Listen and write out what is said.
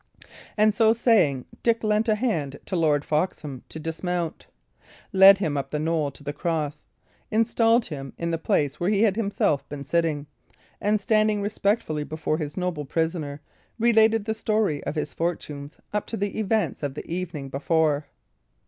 And so saying, Dick lent a hand to Lord Foxham to dismount; led him up the knoll to the cross; installed him in the place where he had himself been sitting; and standing respectfully before his noble prisoner, related the story of his fortunes up to the events of the evening before.